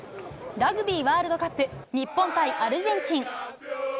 ラグビーワールドカップ。日本対アルゼンチン。